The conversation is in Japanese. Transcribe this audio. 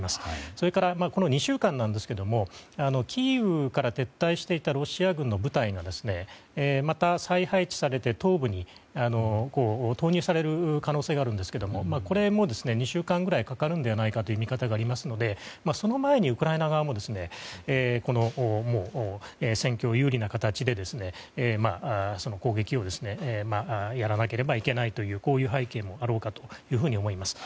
それから、この２週間なんですがキーウから撤退していたロシア軍の部隊がまた再配置されて東部に投入される可能性があるんですがこれも２週間ぐらいかかるのではないかという見方がありますのでその前にウクライナ側も戦況を有利な形で攻撃をやらなければいけないというこういう背景もあろうかと思います。